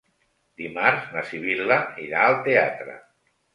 Dimarts na Sibil·la irà al teatre.